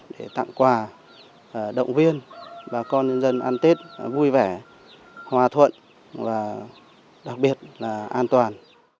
để tặng quà động viên bà con nhân dân ăn tết vui vẻ hòa thuận và đặc biệt là an toàn